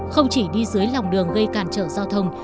không chỉ đi dưới lòng đường gây càn trở giao thông